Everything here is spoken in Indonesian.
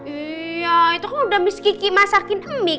iya itu kan udah miss kiki masakin mie